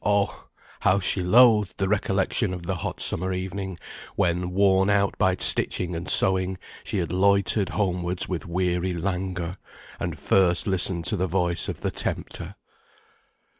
Oh! how she loathed the recollection of the hot summer evening, when, worn out by stitching and sewing, she had loitered homewards with weary languor, and first listened to the voice of the tempter.